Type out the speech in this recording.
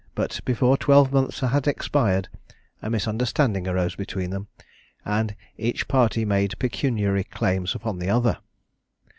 but before twelve months had expired, a misunderstanding arose between them, and each party made pecuniary claims upon the other.